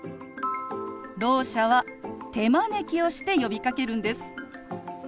ろう者は手招きをして呼びかけるんです。